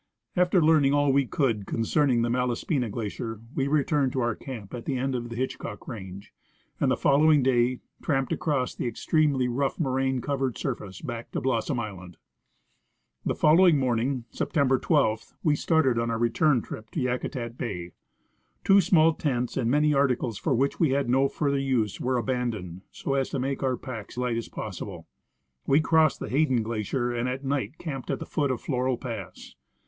After learning all we could concerning the Malaspina glacier we returned to our camp at the end of the Hitchcock range, and the following day tramped across the extremely rough moraine covered surface back to Blossom island. The folloAving morning, September 12, we started on our return trip to Yakutat bay. Two small tents and many articles for which we had no further use were abandoned, so as to make our packs light as possible. We crossed the Hayden glacier, and at night camped at the foot of Floral pass.